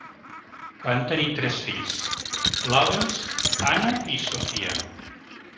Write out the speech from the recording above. Van tenir tres fills, Lawrence, Anna i Sophia.